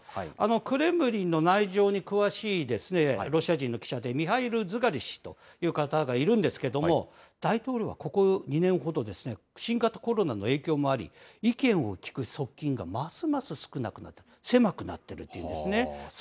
クレムリンの内情に詳しいロシア人の記者で、ミハイル・ズガリ氏という方がいるんですけれども、大統領はここ２年ほど、新型コロナの影響もあり、意見を聞く側近がますます少なくなって、狭くなっているんですね。